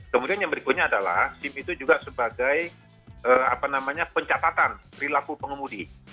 kemudian yang berikutnya adalah sim itu juga sebagai pencatatan perilaku pengemudi